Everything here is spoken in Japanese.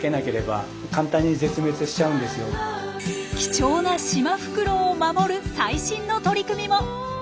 貴重なシマフクロウを守る最新の取り組みも。